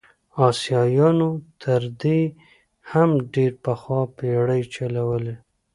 اسیایانو تر دې هم ډېر پخوا بېړۍ چلولې.